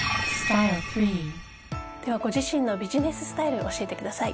ではご自身のビジネススタイル教えてください。